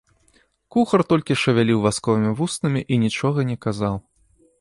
Кухар толькі шавяліў васковымі вуснамі і нічога не казаў.